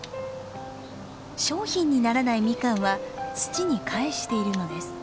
商品にならないミカンは土に返しているのです。